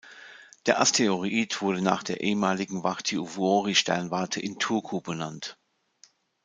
Der Asteroid wurde nach der ehemaligen Vartiovuori-Sternwarte in Turku benannt.